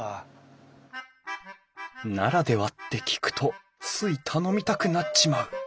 「ならでは」って聞くとつい頼みたくなっちまう！